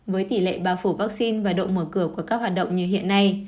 với tỷ lệ bao phủ vaccine và độ mở cửa của các hoạt động như hiện nay